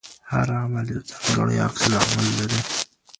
هر عمل یو ځانګړی عکس العمل لري.